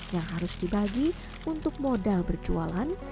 yang harus dibagi untuk modal berjualan